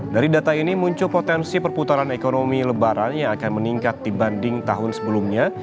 dari data ini muncul potensi perputaran ekonomi lebaran yang akan meningkat dibanding tahun sebelumnya